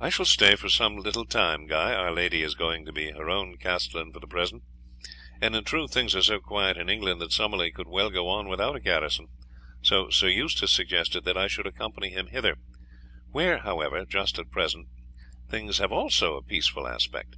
"I shall stay for some little time, Guy. Our lady is going to be her own castellan for the present. And in truth things are so quiet in England that Summerley could well go on without a garrison, so Sir Eustace suggested that I should accompany him hither, where, however, just at present things have also a peaceful aspect.